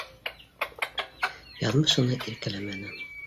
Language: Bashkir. Яҙмыш уны иркәләмәне